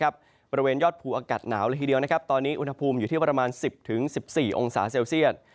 บริเวณยอดภูอากาศหนาวเลยทีเดียวตอนนี้อุณหภูมิอยู่ที่ประมาณ๑๐๑๔องศาเซลเซียต